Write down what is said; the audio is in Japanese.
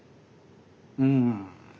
うん。